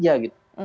jadi ada satu hal